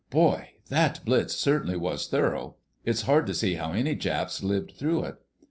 "Boy! That blitz certainly was thorough. It's hard to see how any Japs lived through it."